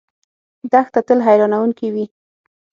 دښته تل حیرانونکې وي.